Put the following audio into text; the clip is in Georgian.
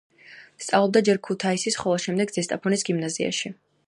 სწავლობდა ჯერ ქუთაისის, ხოლო შემდეგ ზესტაფონის გიმნაზიაში.